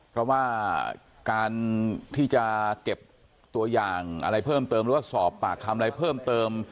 เพราะว่าการที่จะเก็บตัวอย่างอะไรเพิ่มเติมหรือว่าสอบปากคำอะไรเพิ่มเติม